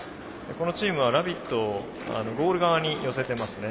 このチームはラビットをゴール側に寄せてますね。